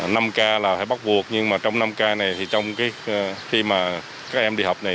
năm ca là phải bắt buộc nhưng mà trong năm ca này thì trong khi mà các em đi học này